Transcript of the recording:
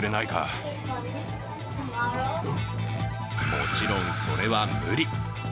もちろん、それは無理。